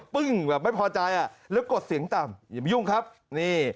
ปึ้งแบบไม่พอใจอ่ะแล้วกดเสียงต่ำอย่ามายุ่งครับนี่